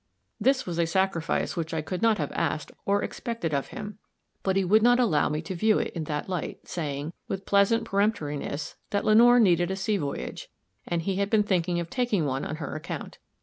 This was a sacrifice which I could not have asked or expected of him; but he would not allow me to view it in that light, saying, with pleasant peremptoriness, that Lenore needed a sea voyage; and he had been thinking of taking one on her account.